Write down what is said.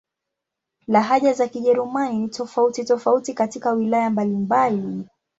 Lahaja za Kijerumani ni tofauti-tofauti katika wilaya mbalimbali.